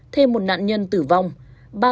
cháy tại nhà dầu khí thanh hóa